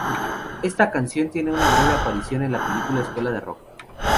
Esta canción tiene una breve aparición en la película Escuela De Rock.